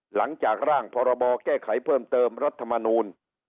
หลังจากร่างพรบแก้ไขเพิ่มเติมรัฐมนูล